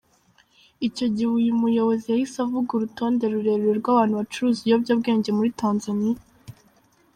Icyo gihe uyu muyobozi yahise avuga urutonde rurerure rw’abantu bacuruza ibiyobyabwenge muri Tanzania.